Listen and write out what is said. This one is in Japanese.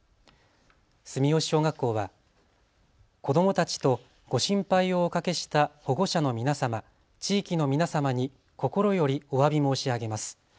住吉小学校は子どもたちとご心配をおかけした保護者の皆様、地域の皆様に心よりおわび申し上げます。